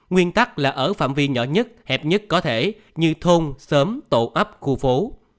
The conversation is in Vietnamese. nguyên tắc là ở phạm vi nhỏ nhất hẹp nhất có thể như thôn xóm tổ ấp khu phố